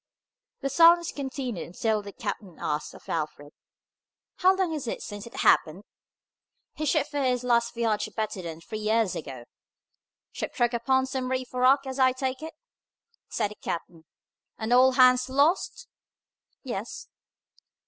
The silence continued until the captain asked of Alfred, "How long is it since it happened?" "He shipped for his last voyage better than three years ago." "Ship struck upon some reef or rock, as I take it," said the captain, "and all hands lost?" "Yes."